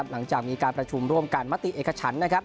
หลังจากมีการประชุมร่วมการมติเอกฉัน